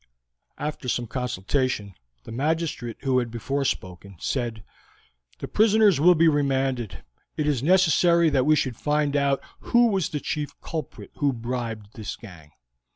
After some consultation the magistrate who had before spoken said: "The prisoners will be remanded. It is necessary that we should find out who was the chief culprit who bribed this gang."